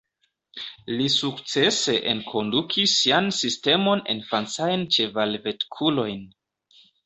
Li sukcese enkondukis sian sistemon en francajn ĉeval-vetkurojn.